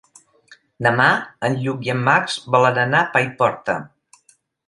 Demà en Lluc i en Max volen anar a Paiporta.